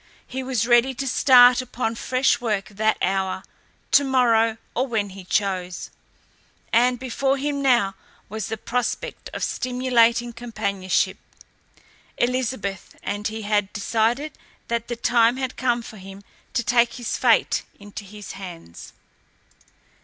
He was ready to start upon fresh work that hour, to morrow, or when he chose. And before him now was the prospect of stimulating companionship. Elizabeth and he had decided that the time had come for him to take his fate into his hands.